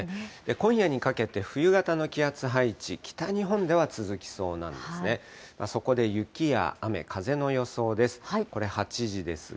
今夜にかけて冬型の気圧配置、北日本では続きそうなんですね。